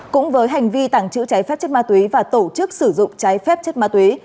cũng với hành vi tàng trữ trái phép chất ma túy và tổ chức sử dụng trái phép chất ma túy